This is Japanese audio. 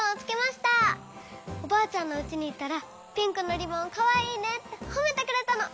おばあちゃんのうちにいったらピンクのリボンかわいいねってほめてくれたの。